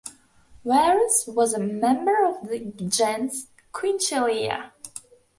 Varus was a member of the gens, Quinctilia.